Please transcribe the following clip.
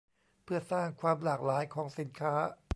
เพื่อสร้างความหลากหลายของสินค้า